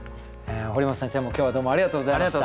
堀本先生も今日はどうもありがとうございました。